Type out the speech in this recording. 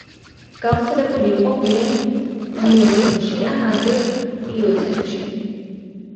გავრცელებული იყო გვიან მიოცენში ან ადრე პლიოცენში.